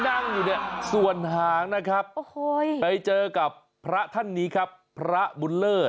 ดูสิครับ